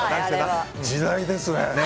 時代ですね。